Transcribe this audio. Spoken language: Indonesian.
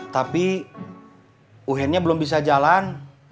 tapi uhennya belum bisa jalan